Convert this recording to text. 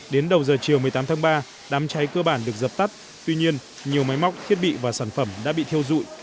đến đầu giờ chiều một mươi tám tháng ba đám cháy cơ bản được dập tắt tuy nhiên nhiều máy móc thiết bị và sản phẩm đã bị thiêu dụi